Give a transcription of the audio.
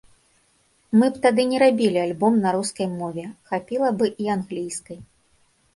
Мы б тады не рабілі альбом на рускай мове, хапіла бы і англійскай.